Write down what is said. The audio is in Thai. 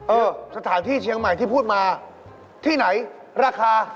เออสถานที่เชียงใหม่ที่พูดมาที่ไหนราคา